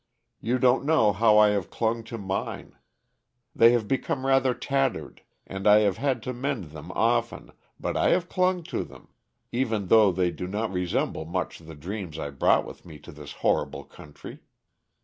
You don't know how I have dung to mine. They have become rather tattered, and I have had to mend them often, but I have clung to them, even though they do not resemble much the dreams I brought with me to this horrible country.